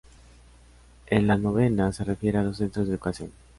En la novena se refiere a los centros de educación.